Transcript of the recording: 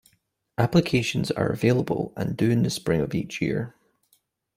Applications are available and due in the spring of each year.